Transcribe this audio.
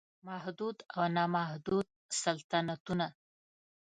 محدود او نا محدود سلطنتونه